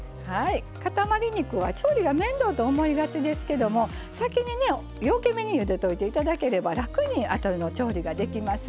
塊肉は調理が面倒と思いがちですけども先にねようけめにゆでといて頂ければ楽にあとの調理ができます。